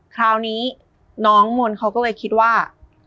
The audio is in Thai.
คราวนี้น้องมนต์เขาก็เลยคิดว่า